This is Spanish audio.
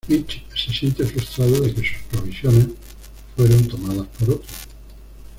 Mitch se siente frustrado de que "sus" provisiones fueron tomadas por otros.